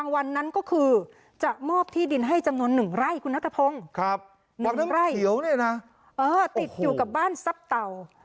วันนั้นเขียวเนี่ยนะเออติดอยู่กับบ้านซับเต่า